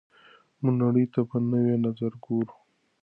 موږ نړۍ ته په نوي نظر ګورو.